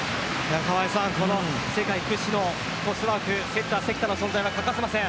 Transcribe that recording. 世界屈指のトスワークセッター・関田の存在は欠かせません。